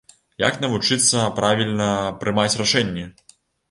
Як навучыцца правільна прымаць рашэнні?